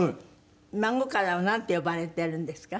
孫からはなんて呼ばれているんですか？